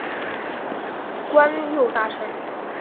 官右大臣。